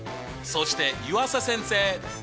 そして湯浅先生！